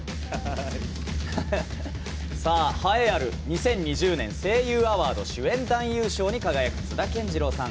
栄えある２０２０年声優アワード主演男優賞に輝いた津田健次郎さん。